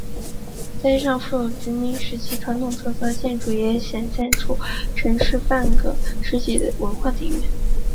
大街上富有殖民时期传统特色的建筑也显现出城市四个半世纪的文化底蕴。